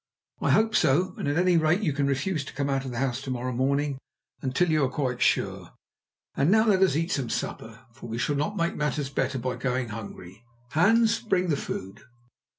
"I hope so, and, at any rate, you can refuse to come out of the house to morrow morning until you are quite sure. And now let us eat some supper, for we shall not make matters better by going hungry. Hans, bring the food."